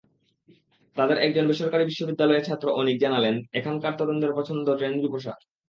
তাঁদের একজন বেসরকারি বিশ্ববিদ্যালয়ে ছাত্র অনীক জানালেন, এখনকার তরুণদের পছন্দ ট্রেন্ডি পোশাক।